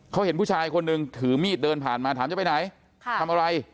เขาเห็นผู้ชายคนหนึ่งถือมีดเดินผ่านมาถามจะไปไหนทำอะไร